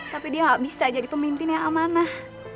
tapi dia gak bisa jadi pemimpin yang amanah